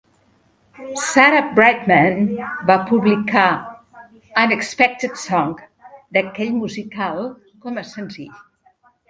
Sarah Brightman va publicar "Unexpected Song", d'aquell musical, com a senzill.